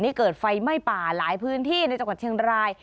เกิดไฟไหม้ป่าหลายพื้นที่ในจังหวัดเชียงราย